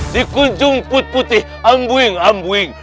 di kunjung put putih ambuing ambuing